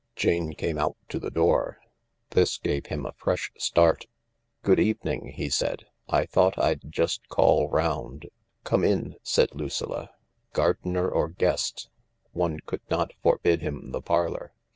Jane came out to the door. This gave him a fresh start. THE LARK 179 " Good evening," he said. " I thought I'd just call round." "Come in," said Lucilla. Gardener or guest, one could not forbid him the parlour.